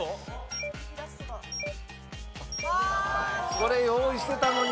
それ用意してたのに。